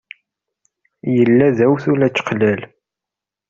Yella d awtul ačeqlal.